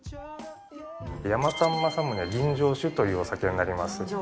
山丹正宗吟醸酒というお酒になります。